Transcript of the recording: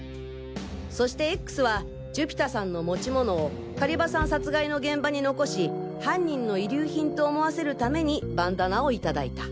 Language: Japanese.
そしてＸは寿飛太さんの持ち物を狩場さん殺害の現場に残し犯人の遺留品と思わせるためにバンダナを頂いた。